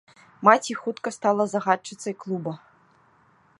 Маці хутка стала загадчыцай клуба.